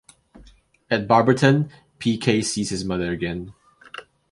At Barberton, Peekay sees his mother again.